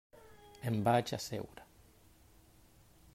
Em vaig asseure.